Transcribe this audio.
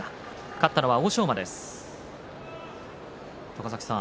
勝ったのは欧勝馬。